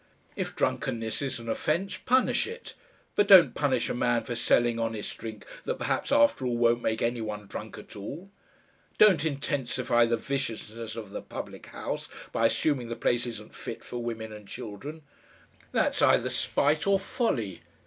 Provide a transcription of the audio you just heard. If drunkenness is an offence, punish it, but don't punish a man for selling honest drink that perhaps after all won't make any one drunk at all. Don't intensify the viciousness of the public house by assuming the place isn't fit for women and children. That's either spite or folly.